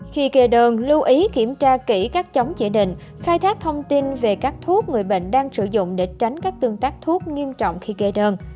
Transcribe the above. khi kê đơn lưu ý kiểm tra kỹ các chống chỉ định khai thác thông tin về các thuốc người bệnh đang sử dụng để tránh các tương tác thuốc nghiêm trọng khi kê đơn